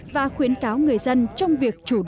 và khuyến cáo người dân trong việc chủ đề